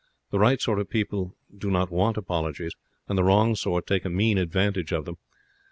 The right sort of people do not want apologies, and the wrong sort take a mean advantage of them.